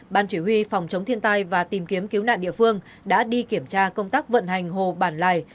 ban chỉ huy phòng chống thiên tai và tìm kiếm cứu nạn địa phương đã đi kiểm tra công tác vận hành hồ bản lài